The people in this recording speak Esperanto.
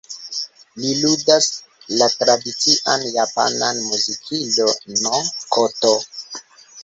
Li ludas la tradician japanan "muzikilo"n, "koto".